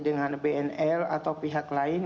dengan bnl atau pihak lain